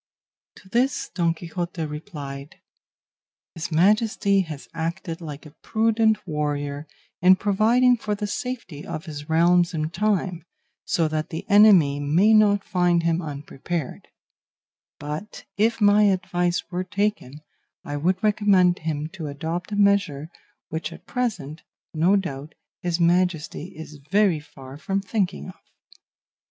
To this Don Quixote replied, "His Majesty has acted like a prudent warrior in providing for the safety of his realms in time, so that the enemy may not find him unprepared; but if my advice were taken I would recommend him to adopt a measure which at present, no doubt, his Majesty is very far from thinking of."